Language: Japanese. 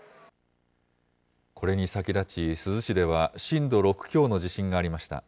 これに先立ち、珠洲市では震度６強の地震がありました。